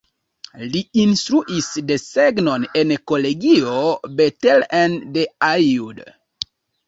Li instruis desegnon en Kolegio Bethlen de Aiud.